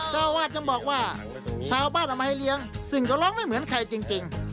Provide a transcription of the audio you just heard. เจ้าอาวาสยังบอกว่าชาวบ้านเอามาให้เลี้ยงซึ่งก็ร้องไม่เหมือนใครจริง